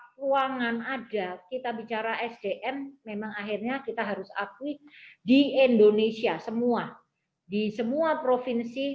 keuangan ada kita bicara sdm memang akhirnya kita harus akui di indonesia semua di semua provinsi